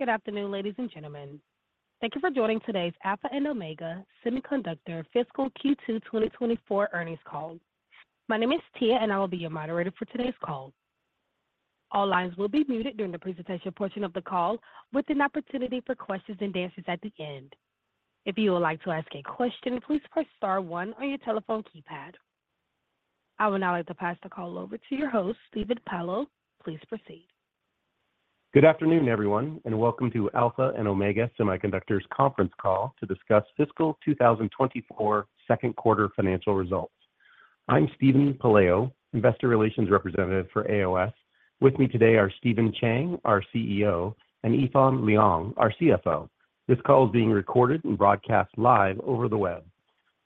Good afternoon, ladies and gentlemen. Thank you for joining today's Alpha and Omega Semiconductor Fiscal Q2 2024 Earnings Call. My name is Tia, and I will be your moderator for today's call. All lines will be muted during the presentation portion of the call, with an opportunity for questions and answers at the end. If you would like to ask a question, please press star one on your telephone keypad. I would now like to pass the call over to your host, Steven Pelayo. Please proceed. Good afternoon, everyone, and welcome to Alpha and Omega Semiconductor Conference Call to discuss fiscal 2024 second quarter financial results. I'm Steven Pelayo, investor relations representative for AOS. With me today are Stephen Chang, our CEO, and Yifan Liang, our CFO. This call is being recorded and broadcast live over the web.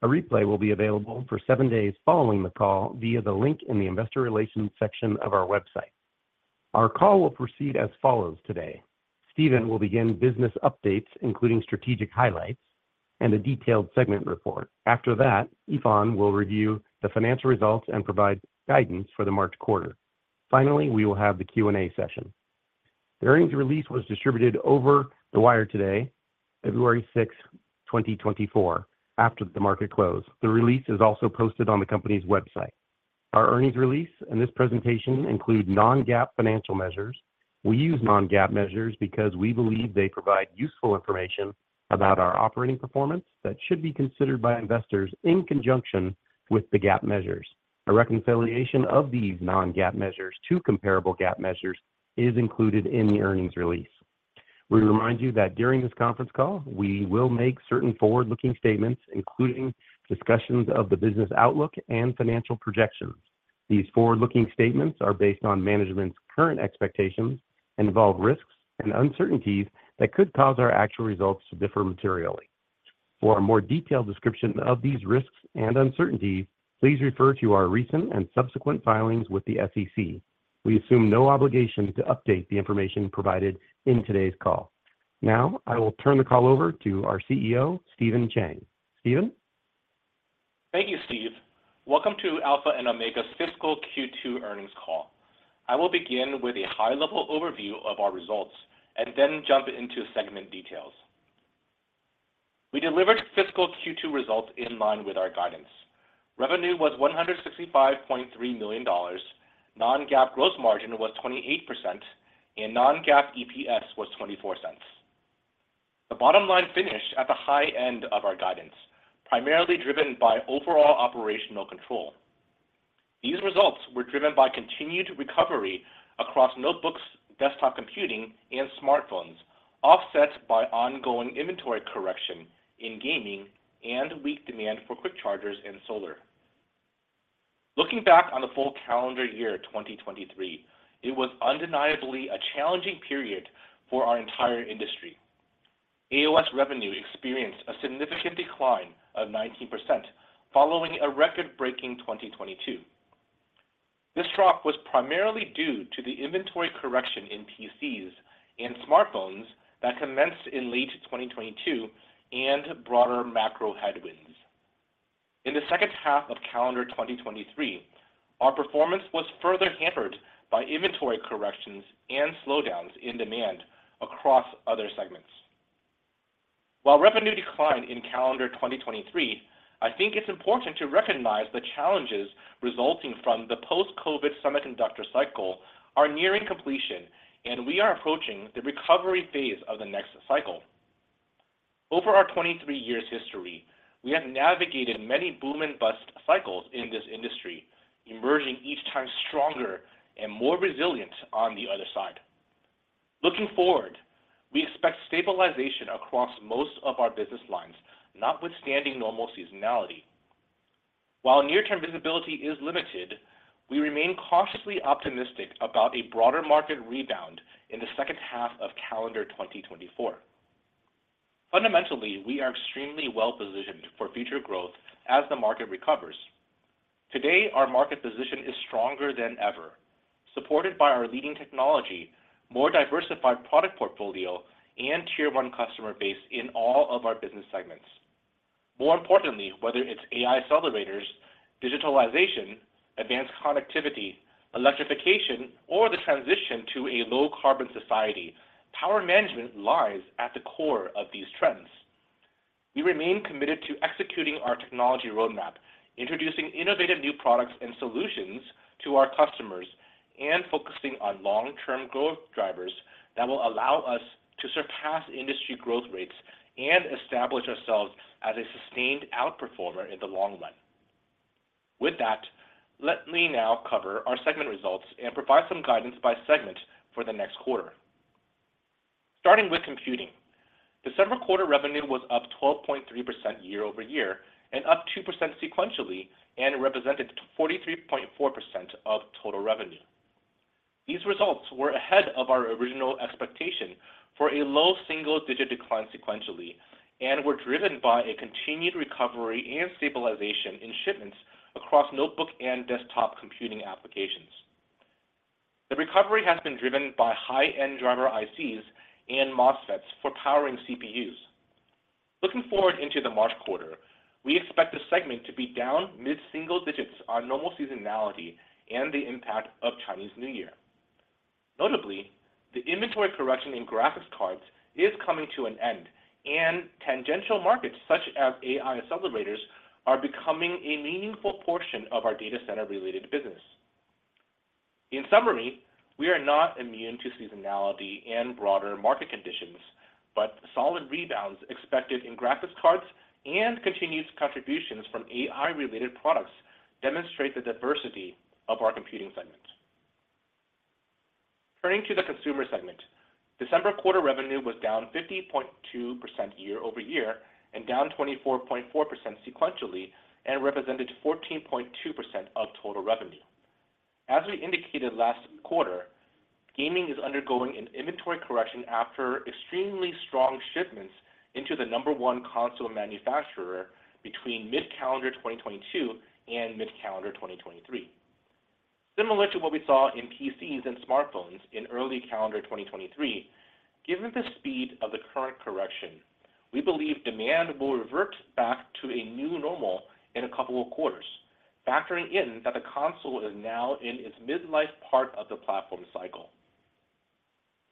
A replay will be available for seven days following the call via the link in the Investor Relations section of our website. Our call will proceed as follows today: Stephen will begin business updates, including strategic highlights and a detailed segment report. After that, Yifan will review the financial results and provide guidance for the March quarter. Finally, we will have the Q&A session. The earnings release was distributed over the wire today, February 6th, 2024, after the market closed. The release is also posted on the company's website. Our earnings release and this presentation include non-GAAP financial measures. We use non-GAAP measures because we believe they provide useful information about our operating performance that should be considered by investors in conjunction with the GAAP measures. A reconciliation of these non-GAAP measures to comparable GAAP measures is included in the earnings release. We remind you that during this conference call, we will make certain forward-looking statements, including discussions of the business outlook and financial projections. These forward-looking statements are based on management's current expectations and involve risks and uncertainties that could cause our actual results to differ materially. For a more detailed description of these risks and uncertainties, please refer to our recent and subsequent filings with the SEC. We assume no obligation to update the information provided in today's call. Now, I will turn the call over to our CEO, Stephen Chang. Stephen? Thank you, Steve. Welcome to Alpha and Omega's Fiscal Q2 earnings call. I will begin with a high-level overview of our results and then jump into segment details. We delivered fiscal Q2 results in line with our guidance. Revenue was $165.3 million, non-GAAP gross margin was 28%, and non-GAAP EPS was $0.24. The bottom line finished at the high end of our guidance, primarily driven by overall operational control. These results were driven by continued recovery across notebooks, desktop computing, and smartphones, offsets by ongoing inventory correction in gaming and weak demand for quick chargers and solar. Looking back on the full calendar year, 2023, it was undeniably a challenging period for our entire industry. AOS revenue experienced a significant decline of 19%, following a record-breaking 2022. This drop was primarily due to the inventory correction in PCs and smartphones that commenced in late 2022 and broader macro headwinds. In the second half of calendar 2023, our performance was further hampered by inventory corrections and slowdowns in demand across other segments. While revenue declined in calendar 2023, I think it's important to recognize the challenges resulting from the post-COVID semiconductor cycle are nearing completion, and we are approaching the recovery phase of the next cycle. Over our 23 years history, we have navigated many boom and bust cycles in this industry, emerging each time stronger and more resilient on the other side. Looking forward, we expect stabilization across most of our business lines, notwithstanding normal seasonality. While near-term visibility is limited, we remain cautiously optimistic about a broader market rebound in the second half of calendar 2024. Fundamentally, we are extremely well-positioned for future growth as the market recovers. Today, our market position is stronger than ever, supported by our leading technology, more diversified product portfolio, and Tier One customer base in all of our business segments. More importantly, whether it's AI accelerators, digitalization, advanced connectivity, electrification, or the transition to a low-carbon society, power management lies at the core of these trends. We remain committed to executing our technology roadmap, introducing innovative new products and solutions to our customers, and focusing on long-term growth drivers that will allow us to surpass industry growth rates and establish ourselves as a sustained outperformer in the long run. With that, let me now cover our segment results and provide some guidance by segment for the next quarter. Starting with computing, December quarter revenue was up 12.3% year-over-year and up 2% sequentially, and represented 43.4% of total revenue. These results were ahead of our original expectation for a low single-digit decline sequentially and were driven by a continued recovery and stabilization in shipments across notebook and desktop computing applications. The recovery has been driven by high-end driver ICs and MOSFETs for powering CPUs. Looking forward into the March quarter, we expect the segment to be down mid-single digits on normal seasonality and the impact of Chinese New Year. Notably, the inventory correction in graphics cards is coming to an end, and tangential markets such as AI accelerators are becoming a meaningful portion of our data center-related business. In summary, we are not immune to seasonality and broader market conditions, but solid rebounds expected in graphics cards and continued contributions from AI-related products demonstrate the diversity of our computing segment. Turning to the consumer segment, December quarter revenue was down 50.2% year over year and down 24.4% sequentially, and represented 14.2% of total revenue. As we indicated last quarter, gaming is undergoing an inventory correction after extremely strong shipments into the number one console manufacturer between mid-calendar 2022 and mid-calendar 2023. Similar to what we saw in PCs and smartphones in early calendar 2023, given the speed of the current correction, we believe demand will revert back to a new normal in a couple of quarters, factoring in that the console is now in its mid-life part of the platform cycle.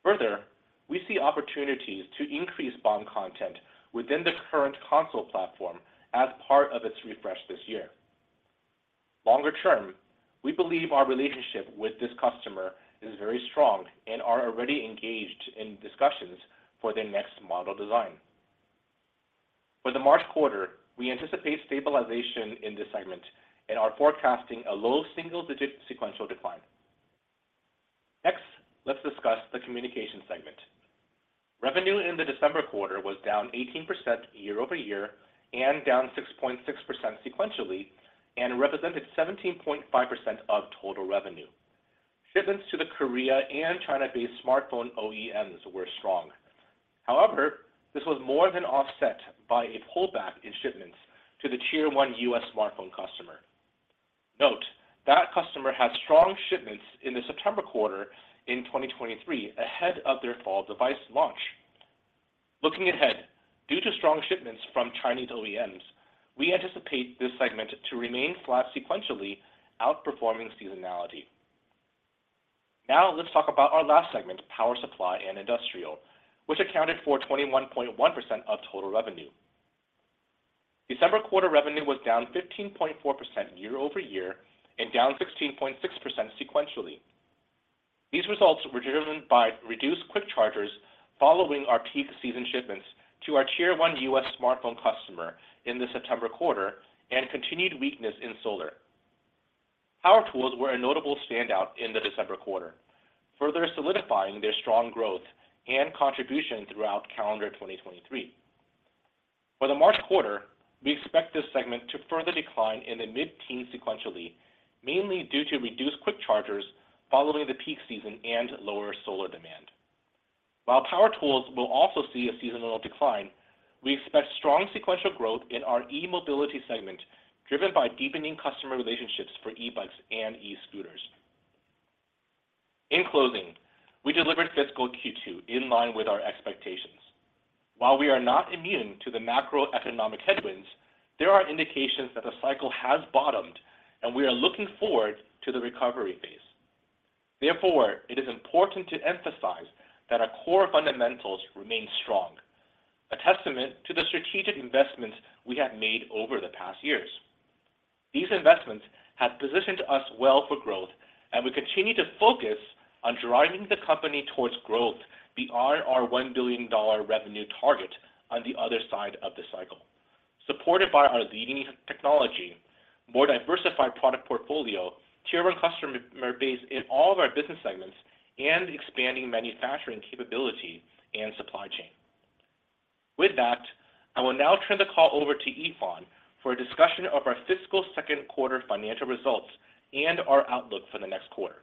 Further, we see opportunities to increase BOM content within the current console platform as part of its refresh this year. Longer term, we believe our relationship with this customer is very strong and are already engaged in discussions for their next model design. For the March quarter, we anticipate stabilization in this segment and are forecasting a low single-digit sequential decline. Next, let's discuss the communication segment. Revenue in the December quarter was down 18% year-over-year and down 6.6% sequentially, and represented 17.5% of total revenue. Shipments to the Korea and China-based smartphone OEMs were strong. However, this was more than offset by a pullback in shipments to the Tier 1 U.S. smartphone customer. Note, that customer had strong shipments in the September quarter in 2023, ahead of their fall device launch. Looking ahead, due to strong shipments from Chinese OEMs, we anticipate this segment to remain flat sequentially, outperforming seasonality. Now, let's talk about our last segment, power supply and industrial, which accounted for 21.1% of total revenue. December quarter revenue was down 15.4% year-over-year and down 16.6% sequentially. These results were driven by reduced quick chargers following our peak season shipments to our Tier One U.S. smartphone customer in the September quarter and continued weakness in solar. Power tools were a notable standout in the December quarter, further solidifying their strong growth and contribution throughout calendar 2023. For the March quarter, we expect this segment to further decline in the mid-teen sequentially, mainly due to reduced quick chargers following the peak season and lower solar demand. While power tools will also see a seasonal decline, we expect strong sequential growth in our e-mobility segment, driven by deepening customer relationships for e-bikes and e-scooters. In closing, we delivered fiscal Q2 in line with our expectations. While we are not immune to the macroeconomic headwinds, there are indications that the cycle has bottomed, and we are looking forward to the recovery phase. Therefore, it is important to emphasize that our core fundamentals remain strong, a testament to the strategic investments we have made over the past years. These investments have positioned us well for growth, and we continue to focus on driving the company towards growth beyond our $1 billion revenue target on the other side of the cycle, supported by our leading technology, more diversified product portfolio, Tier One customer base in all of our business segments, and expanding manufacturing capability and supply chain. With that, I will now turn the call over to Yifan for a discussion of our fiscal second quarter financial results and our outlook for the next quarter.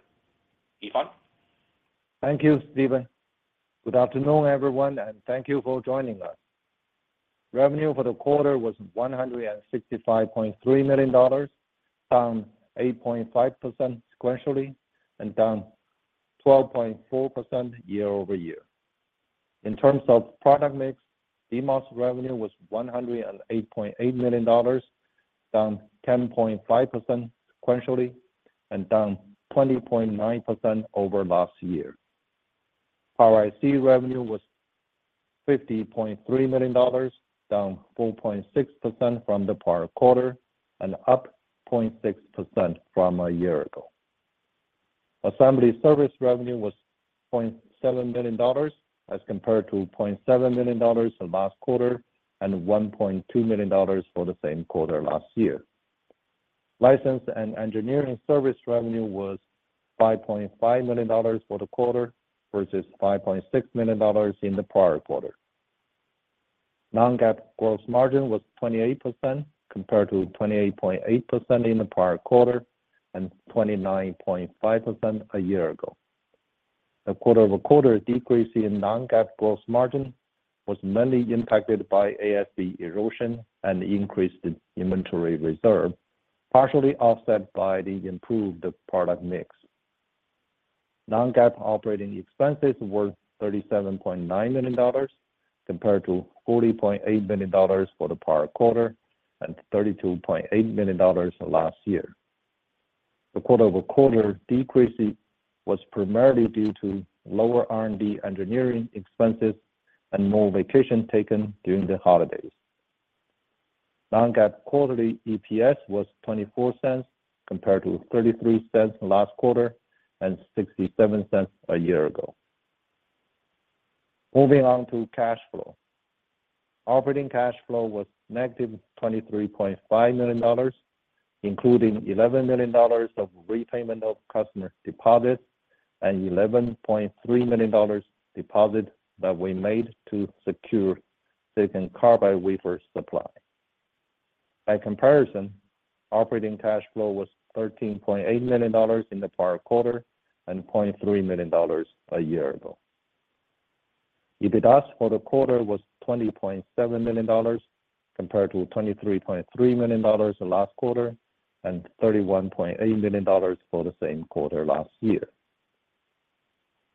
Yifan? Thank you, Steven. Good afternoon, everyone, and thank you for joining us. Revenue for the quarter was $165.3 million, down 8.5% sequentially and down 12.4% year-over-year. In terms of product mix, DMOS revenue was $108.8 million, down 10.5% sequentially and down 20.9% over last year. Power IC revenue was $50.3 million, down 4.6% from the prior quarter and up 0.6% from a year ago. Assembly service revenue was $0.7 million as compared to $0.7 million the last quarter and $1.2 million for the same quarter last year. License and engineering service revenue was $5.5 million for the quarter, versus $5.6 million in the prior quarter. Non-GAAP gross margin was 28%, compared to 28.8% in the prior quarter and 29.5% a year ago. A quarter-over-quarter decrease in non-GAAP gross margin was mainly impacted by ASP erosion and increased inventory reserve, partially offset by the improved product mix. Non-GAAP operating expenses were $37.9 million, compared to $40.8 million for the prior quarter and $32.8 million last year. The quarter-over-quarter decrease was primarily due to lower R&D engineering expenses and more vacation taken during the holidays. Non-GAAP quarterly EPS was $0.24, compared to $0.33 last quarter and $0.67 a year ago. Moving on to cash flow. Operating cash flow was -$23.5 million, including $11 million of repayment of customer deposits and $11.3 million deposit that we made to secure silicon carbide wafer supply. By comparison, operating cash flow was $13.8 million in the prior quarter and $0.3 million a year ago. EBITDA for the quarter was $20.7 million, compared to $23.3 million last quarter, and $31.8 million for the same quarter last year.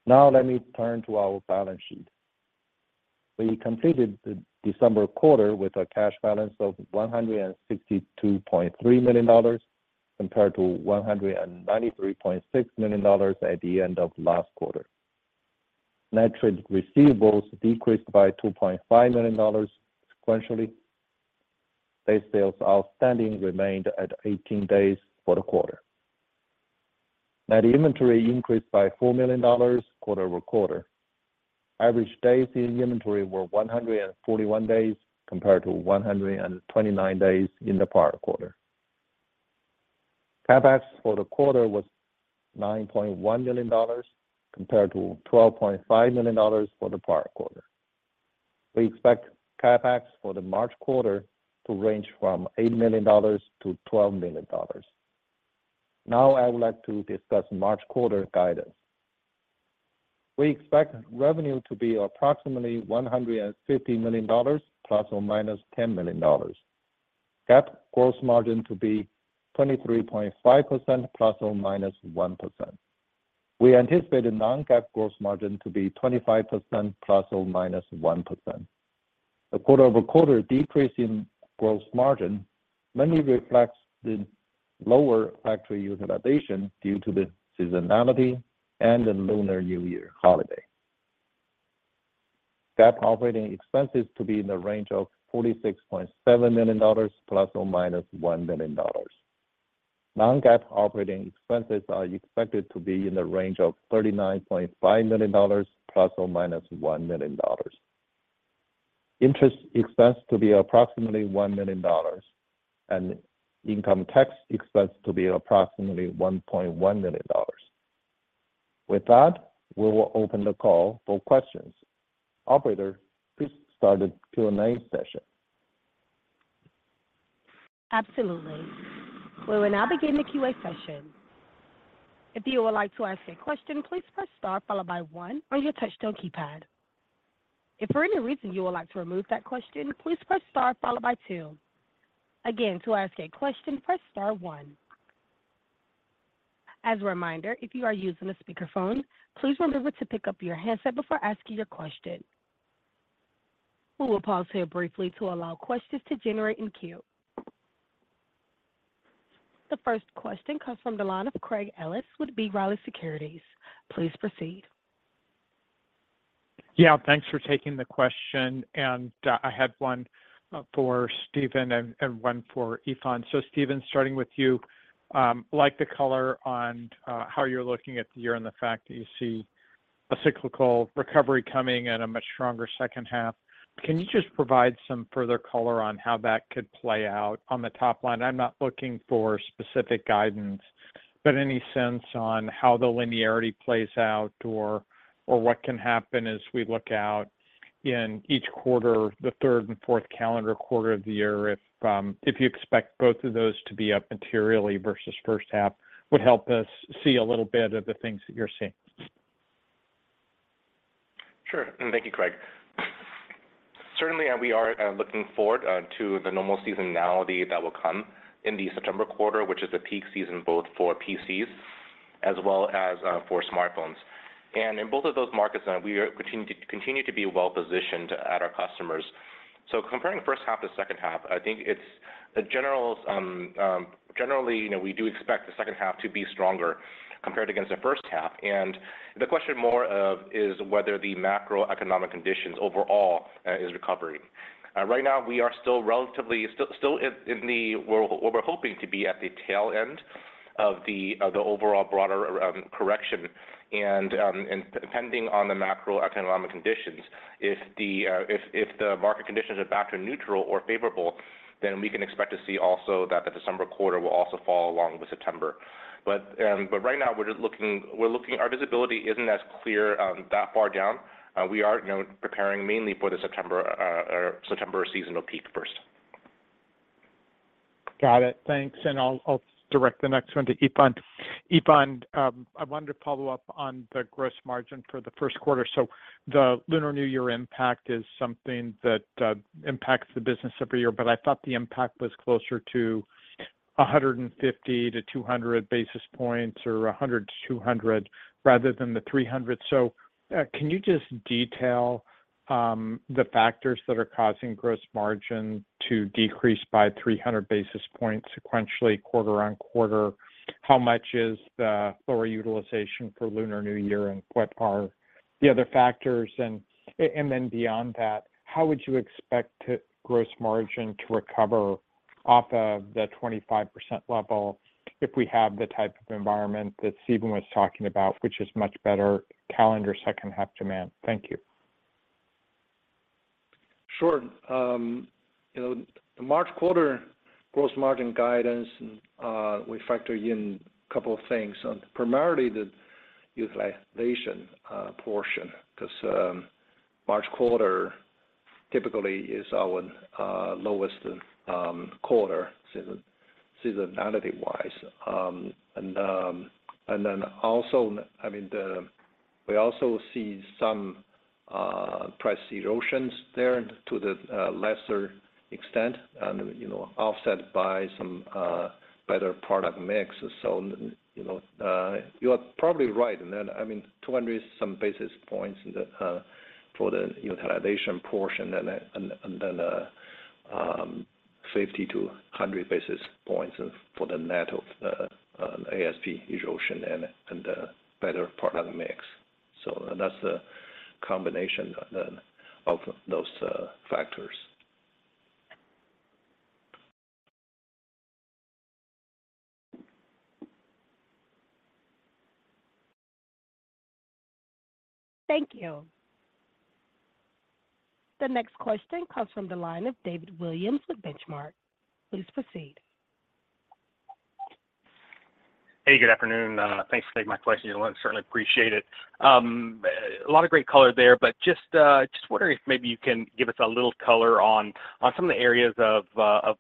Now let me turn to our balance sheet. We completed the December quarter with a cash balance of $162.3 million, compared to $193.6 million at the end of last quarter. Net trade receivables decreased by $2.5 million sequentially. Days sales outstanding remained at 18 days for the quarter. Net inventory increased by $4 million quarter over quarter. Average days in inventory were 141 days, compared to 129 days in the prior quarter. CapEx for the quarter was $9.1 million, compared to $12.5 million for the prior quarter. We expect CapEx for the March quarter to range from $8 million to $12 million. Now I would like to discuss March quarter guidance. We expect revenue to be approximately $150 million, ± $10 million. GAAP gross margin to be 23.5%, ± 1%. We anticipate a non-GAAP gross margin to be 25%, ± 1%. The quarter-over-quarter decrease in gross margin mainly reflects the lower factory utilization due to the seasonality and the Lunar New Year holiday. GAAP operating expenses to be in the range of $46.7 million ± $1 million. Non-GAAP operating expenses are expected to be in the range of $39.5 million ± $1 million. Interest expense to be approximately $1 million, and income tax expense to be approximately $1.1 million. With that, we will open the call for questions. Operator, please start the Q&A session. Absolutely. We will now begin the Q&A session. If you would like to ask a question, please press Star followed by one on your touchtone keypad. If for any reason you would like to remove that question, please press Star followed by two. Again, to ask a question, press Star one. As a reminder, if you are using a speakerphone, please remember to pick up your handset before asking your question. We will pause here briefly to allow questions to generate in queue. The first question comes from the line of Craig Ellis with B. Riley Securities. Please proceed. Yeah, thanks for taking the question, and I had one for Steven and one for Yifan. So Steven, starting with you, like the color on how you're looking at the year and the fact that you see a cyclical recovery coming at a much stronger second half. Can you just provide some further color on how that could play out on the top line? I'm not looking for specific guidance, but any sense on how the linearity plays out or what can happen as we look out in each quarter, the third and fourth calendar quarter of the year, if you expect both of those to be up materially versus first half, would help us see a little bit of the things that you're seeing. Sure. Thank you, Craig. Certainly, we are looking forward to the normal seasonality that will come in the September quarter, which is a peak season, both for PCs as well as for smartphones. And in both of those markets, we are continuing to be well-positioned at our customers. So comparing first half to second half, I think it's generally, you know, we do expect the second half to be stronger compared against the first half. And the question more of is whether the macroeconomic conditions overall is recovering. Right now, we are still relatively still in the... We're hoping to be at the tail end of the overall broader correction. And depending on the macroeconomic conditions, if the market conditions are back to neutral or favorable, then we can expect to see also that the December quarter will also fall along with September. But right now, we're just looking, our visibility isn't as clear that far down. We are, you know, preparing mainly for the September seasonal peak first.... Got it. Thanks, and I'll direct the next one to Yifan. Yifan, I wanted to follow up on the gross margin for the first quarter. So the Lunar New Year impact is something that impacts the business every year, but I thought the impact was closer to 150-200 basis points or 100-200, rather than the 300. So, can you just detail the factors that are causing gross margin to decrease by 300 basis points sequentially, quarter-on-quarter? How much is the lower utilization for Lunar New Year, and what are the other factors? Then beyond that, how would you expect to gross margin to recover off of the 25% level if we have the type of environment that Stephen was talking about, which is much better calendar second half demand? Thank you. Sure. You know, the March quarter gross margin guidance, and we factor in a couple of things. Primarily the utilization portion, because March quarter typically is our lowest quarter seasonality-wise. And then also, I mean, we also see some price erosions there to a lesser extent and, you know, offset by some better product mix. So, you know, you are probably right. And then, I mean, 200-some basis points in the for the utilization portion and then 50-100 basis points for the net of ASP erosion and the better product mix. So that's the combination then of those factors. Thank you. The next question comes from the line of David Williams with Benchmark. Please proceed. Hey, good afternoon. Thanks for taking my question, you certainly appreciate it. A lot of great color there, but just wondering if maybe you can give us a little color on some of the areas of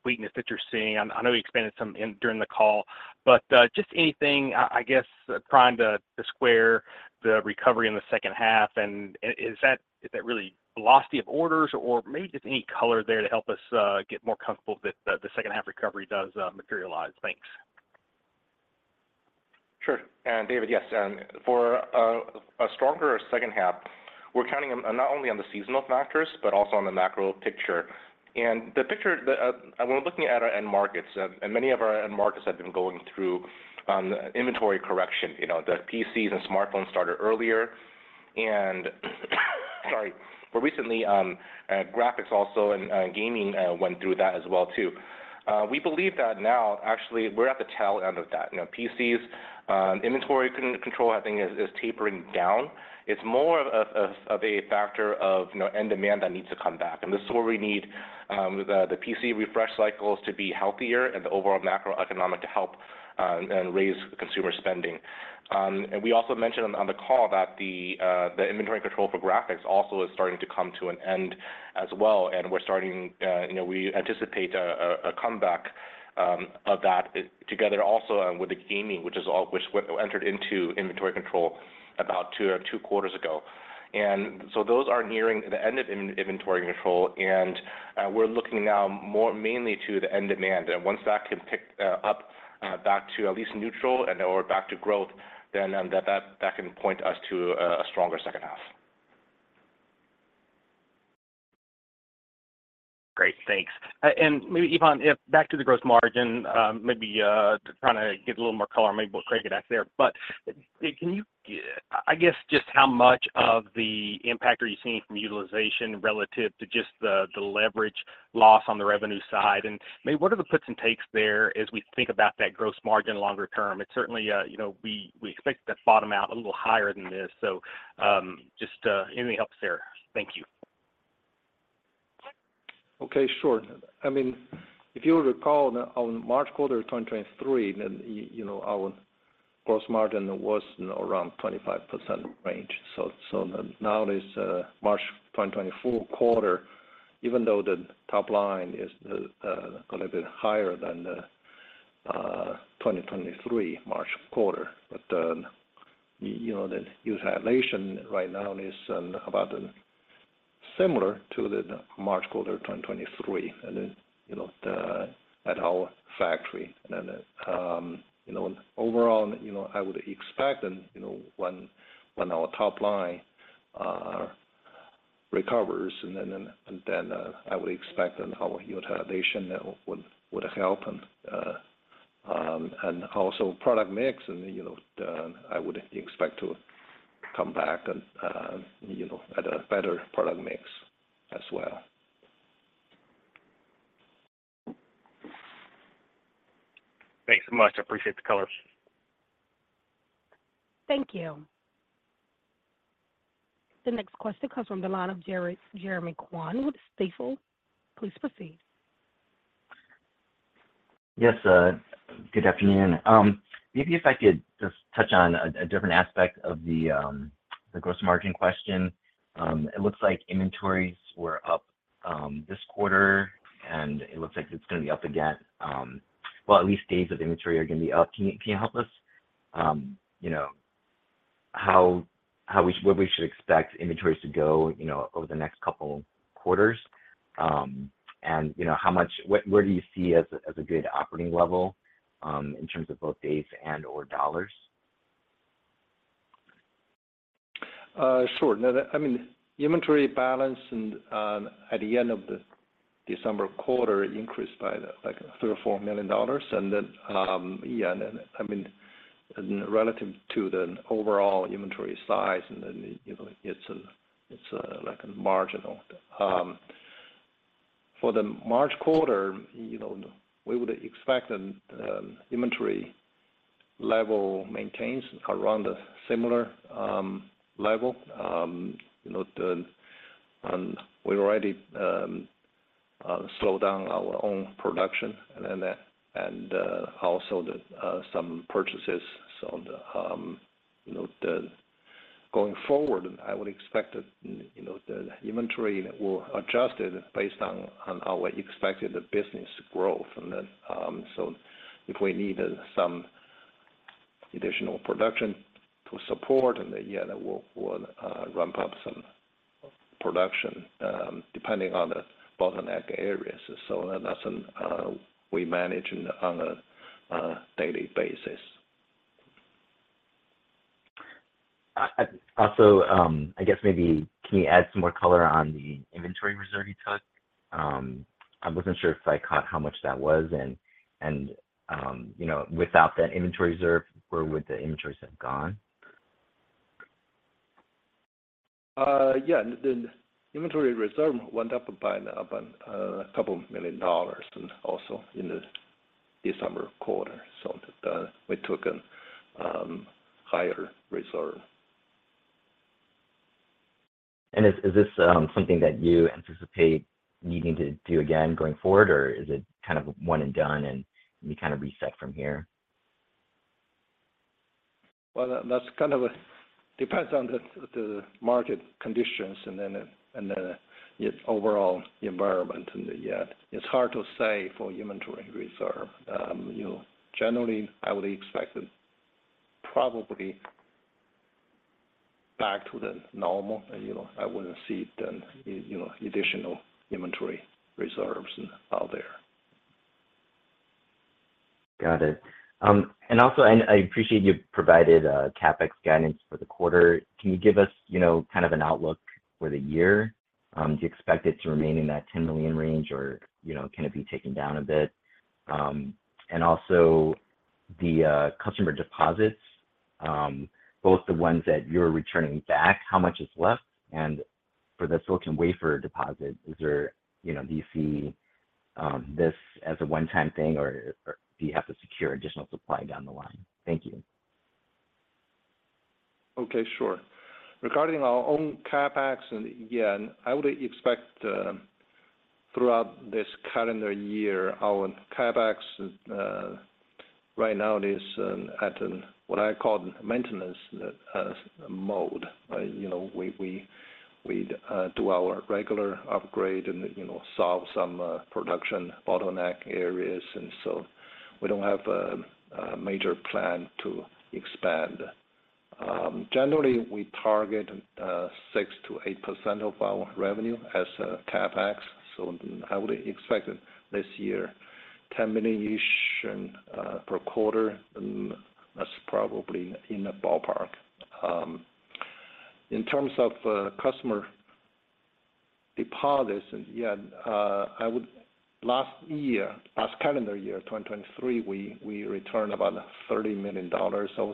weakness that you're seeing. I know you expanded some in during the call, but just anything, I guess, trying to square the recovery in the second half, and is that really velocity of orders? Or maybe just any color there to help us get more comfortable that the second half recovery does materialize. Thanks. Sure. And David, yes, and for a stronger second half, we're counting on, not only on the seasonal factors, but also on the macro picture. And the picture that, when looking at our end markets, and many of our end markets have been going through inventory correction. You know, the PCs and smartphones started earlier, and, sorry, but recently graphics also and gaming went through that as well too. We believe that now, actually, we're at the tail end of that. You know, PCs inventory control, I think, is tapering down. It's more of a factor of, you know, end demand that needs to come back, and this is where we need the PC refresh cycles to be healthier and the overall macroeconomic to help and raise consumer spending. And we also mentioned on the call that the inventory control for graphics also is starting to come to an end as well. And we're starting, you know, we anticipate a comeback of that together also with the gaming, which we entered into inventory control about two quarters ago. And so those are nearing the end of inventory control, and we're looking now more mainly to the end demand. And once that can pick up back to at least neutral and or back to growth, then that can point us to a stronger second half. Great, thanks. And maybe Yifan, if back to the gross margin, maybe to try to get a little more color, maybe what Craig asked there. But, can you, I guess, just how much of the impact are you seeing from utilization relative to just the leverage loss on the revenue side? And maybe what are the puts and takes there as we think about that gross margin longer term? It's certainly, you know, we expect to bottom out a little higher than this, so, just, any helps there. Thank you. Okay, sure. I mean, if you recall on March quarter of 2023, then, you know, our gross margin was around 25% range. So now this March 2024 quarter, even though the top line is a little bit higher than the 2023 March quarter, but, you know, the utilization right now is about similar to the March quarter 2023, and, you know, the at our factory. And then, you know, overall, you know, I would expect and, you know, when our top line recovers, and then, I would expect then our utilization would help and, and also product mix. And, you know, then I would expect to come back and, you know, at a better product mix as well. Thanks so much. I appreciate the colors. Thank you. The next question comes from the line of Jeremy Kwan with Stifel. Please proceed. Yes, Good afternoon. Maybe if I could just touch on a different aspect of the gross margin question. It looks like inventories were up this quarter, and it looks like it's going to be up again. Well, at least days of inventory are going to be up. Can you help us, you know, what we should expect inventories to go, you know, over the next couple quarters? And you know, where do you see as a good operating level in terms of both days and/or dollars? Sure. No, the, I mean, inventory balance and at the end of the December quarter increased by, like, $3 million or $4 million. And then, and, I mean, and relative to the overall inventory size, and then, you know, it's a, it's like a marginal. For the March quarter, you know, we would expect an inventory level maintains around a similar level. You know, the, and we already slowed down our own production, and then, and also the some purchases. So, you know, the... Going forward, I would expect that, you know, the inventory will adjust it based on our expected business growth. And then, so if we need some additional production to support, and then, that will, will ramp up some production, depending on the bottleneck areas. So that's an, we manage on a daily basis. Also, I guess maybe can you add some more color on the inventory reserve you took? I wasn't sure if I caught how much that was. You know, without that inventory reserve, where would the inventory have gone? Yeah, the inventory reserve went up by $2 million and also in the December quarter, so we took a higher reserve. Is this something that you anticipate needing to do again going forward, or is it kind of one and done, and you kind of reset from here? Well, that's kind of a depends on the market conditions and the overall environment, yeah. It's hard to say for inventory reserve. You know, generally, I would expect it probably back to the normal, and you know, I wouldn't see the additional inventory reserves out there. Got it. And also, and I appreciate you provided CapEx guidance for the quarter. Can you give us, you know, kind of an outlook for the year? Do you expect it to remain in that $10 million range, or, you know, can it be taken down a bit? And also, the customer deposits, both the ones that you're returning back, how much is left? And for the silicon wafer deposit, is there... You know, do you see this as a one-time thing, or, or do you have to secure additional supply down the line? Thank you. Okay, sure. Regarding our own CapEx, and yeah, I would expect throughout this calendar year, our CapEx right now is at an, what I call maintenance mode. You know, we do our regular upgrade and, you know, solve some production bottleneck areas, and so we don't have a major plan to expand. Generally, we target 6%-8% of our revenue as CapEx, so I would expect this year, $10 million each per quarter, and that's probably in the ballpark. In terms of customer deposits, and yeah, I would last year, last calendar year, 2023, we returned about $30 million or so.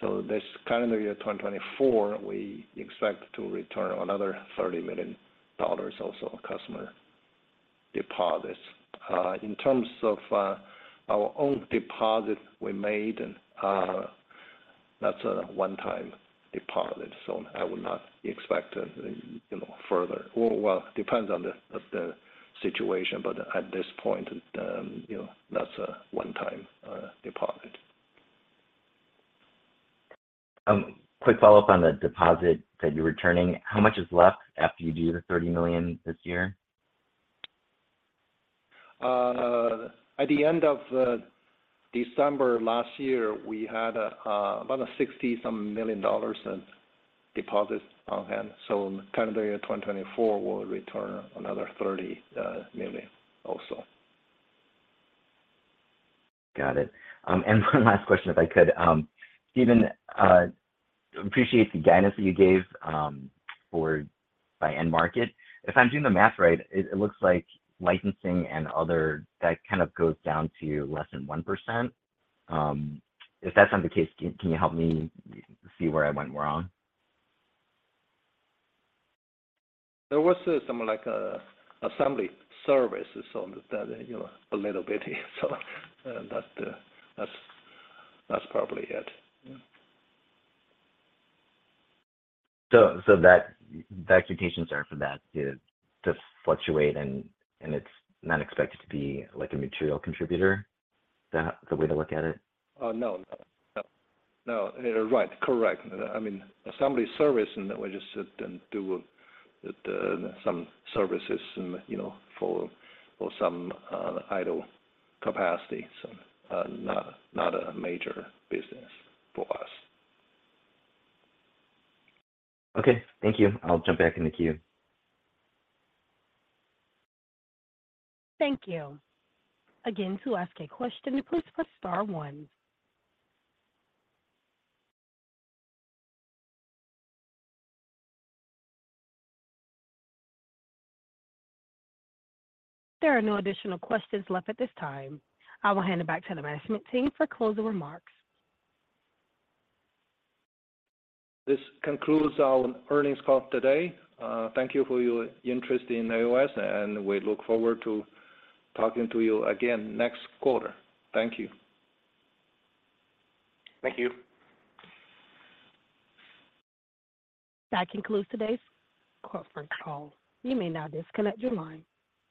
So this calendar year, 2024, we expect to return another $30 million, also customer deposits. In terms of our own deposit we made, and that's a one-time deposit, so I would not expect, you know, further... Well, depends on the situation, but at this point, you know, that's a one-time deposit. Quick follow-up on the deposit that you're returning. How much is left after you do the $30 million this year? At the end of December last year, we had about $60-some million in deposits on hand, so calendar year 2024 will return another $30 million, also. Got it. And one last question, if I could. Steven, appreciate the guidance that you gave for by end market. If I'm doing the math right, it looks like licensing and other, that kind of goes down to less than 1%. If that's not the case, can you help me see where I went wrong? There was some, like, assembly services, so that, you know, a little bit here. So that's probably it. So that the expectations are for that to fluctuate, and it's not expected to be like a material contributor? Is that the way to look at it? No, no, no. No, right. Correct. I mean, assembly service, and we just sit and do some services and, you know, for some idle capacity. So, not a major business for us. Okay. Thank you. I'll jump back in the queue. Thank you. Again, to ask a question, please press star one. There are no additional questions left at this time. I will hand it back to the management team for closing remarks. This concludes our earnings call today. Thank you for your interest in AOS, and we look forward to talking to you again next quarter. Thank you. Thank you. That concludes today's conference call. You may now disconnect your line.